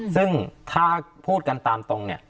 ซึ่งถ้าพูดกันตามตรง